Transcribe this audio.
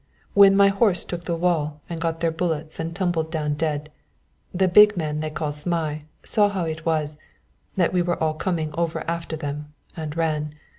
When my horse took the wall and got their bullets and tumbled down dead, the big man they called Zmai saw how it was, that we were all coming over after them, and ran.